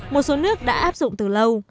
một số nước đã áp dụng từ lâu